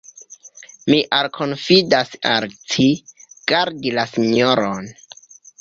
Mi alkonfidas al ci, gardi la sinjoron.